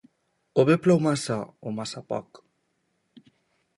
o be plou massa o massa poc.